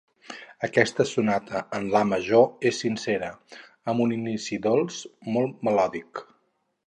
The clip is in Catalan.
Aquesta Sonata en la major és sincera, amb un inici dolç, molt melòdic.